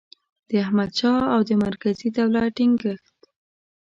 د احمدشاه او د مرکزي دولت ټینګیښت